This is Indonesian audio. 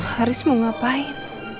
haris mau ngapain